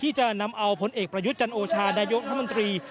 ที่จะนำเอาผลเอกประยุทธ์จันโอชานายกรัฐมนตรี